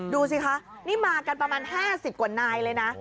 ดูสิคะนี่มากันประมาณ๕๐กว่านายเลยนะ